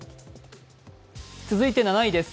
続いて７位です。